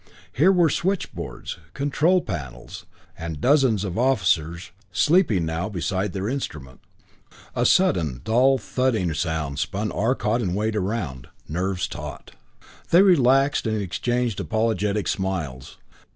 Here were switchboards, control panels, and dozens of officers, sleeping now, beside their instruments. A sudden dull thudding sound spun Arcot and Wade around, nerves taut. They relaxed and exchanged apologetic smiles.